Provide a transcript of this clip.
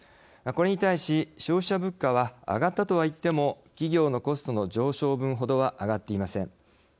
これに対し、消費者物価は上がったとはいっても企業のコストの上昇分ほどは上がっていません。